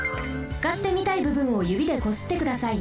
すかしてみたいぶぶんをゆびでこすってください。